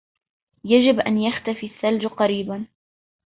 يجب أن يختفي الثلج قريباً